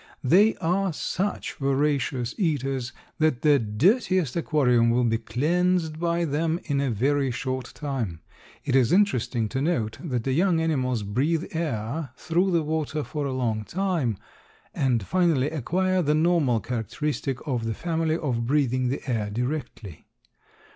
They are such voracious eaters that the dirtiest aquarium will be cleansed by them in a very short time. It is interesting to note that the young animals breathe air through the water for a long time, and finally acquire the normal characteristic of the family of breathing the air directly.